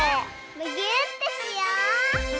むぎゅーってしよう！